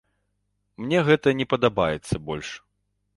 Мне гэта не падабаецца больш.